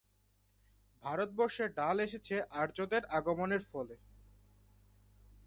ভারতবর্ষে ডাল এসেছে আর্যদের আগমনের ফলে।